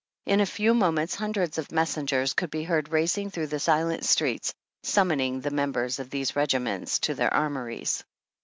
In a few mo ments hundreds of messengers could be heard racing through the silent streets, summoning the members of these regiments to their Armories.